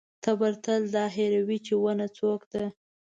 تبر تل دا هېروي چې ونه څوک ده.